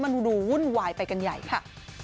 มันดูวุ่นวายไปกันใหญ่ค่ะ